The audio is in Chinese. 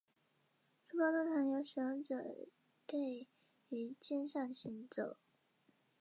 书包通常由使用者背于肩上行走。